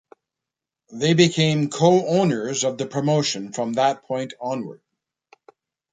They became co-owners of the promotion from that point onward.